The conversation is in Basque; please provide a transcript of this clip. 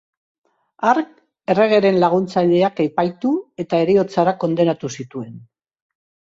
Hark erregeren laguntzaileak epaitu eta heriotzara kondenatu zituen.